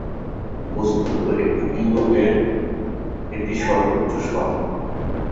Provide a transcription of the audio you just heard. বস্তুত এটি ইউরোপের এটি সর্বোচ্চ শহর।